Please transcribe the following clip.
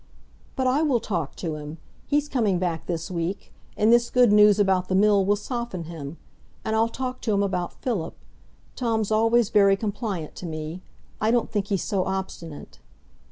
"But I will talk to him; he's coming back this week. And this good news about the Mill will soften him. And I'll talk to him about Philip. Tom's always very compliant to me; I don't think he's so obstinate."